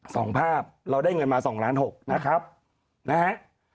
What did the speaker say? สองภาพเราได้เงินมาสองล้านหกนะครับนะฮะ